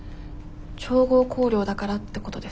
調合香料だからってことですか？